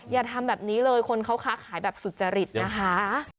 อย่าทำแบบนี้เลยคนเขาค้าขายแบบสุจริตนะคะ